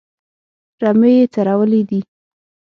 رمې یې څرولې دي.